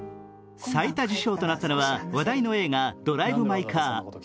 最多受賞となったのは、話題の映画「ドライブ・マイ・カー」。